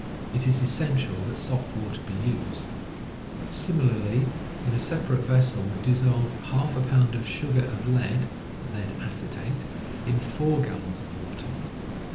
It is essential that soft water be used. Similarly, in a separate vessel, dissolve ^ pound of sugar of lead (lead acetate) in 4 gallons of water.